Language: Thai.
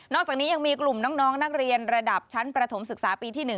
อกจากนี้ยังมีกลุ่มน้องนักเรียนระดับชั้นประถมศึกษาปีที่๑